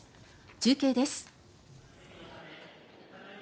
中継です。